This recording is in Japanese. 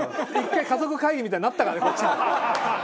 １回家族会議みたいになったからねこっちも。